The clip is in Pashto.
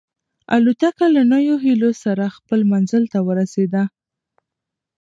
الوتکه له نویو هیلو سره خپل منزل ته ورسېده.